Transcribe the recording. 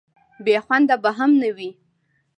بې خونده به هم نه وي.